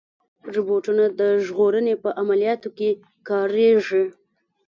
روبوټونه د ژغورنې په عملیاتو کې کارېږي.